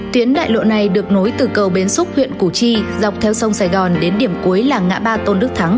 tiến đại lộ này được nối từ cầu bến xúc huyện củ chi dọc theo sông sài gòn đến điểm cuối làng ngã ba tôn đức tháng